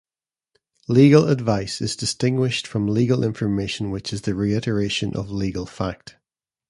Legal advice is distinguished from legal information which is the reiteration of legal fact.